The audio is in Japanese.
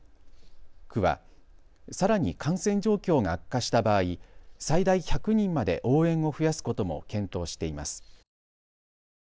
区はさらに感染状況が悪化した場合、最大１００人まで応援を増やすことも検討しています。